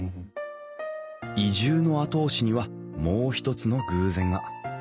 移住の後押しにはもうひとつの偶然が。